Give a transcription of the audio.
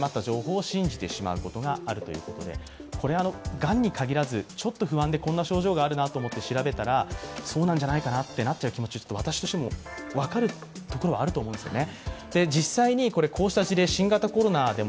がんに限らず、ちょっと不安で調べたらそうなんじゃないかなってなっちゃう気持ち、私としても分かるところがあると思うんですね。